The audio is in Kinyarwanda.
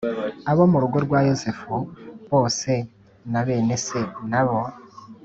abo mu rugo rwa Yosefu bose na bene se n abo